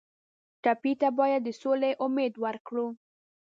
ټپي ته باید د سولې امید ورکړو.